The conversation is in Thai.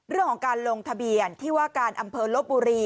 เรื่องของการลงทะเบียนที่ว่าการอำเภอลบบุรี